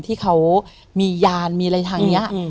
ที่เขามียานมีอะไรทางนี้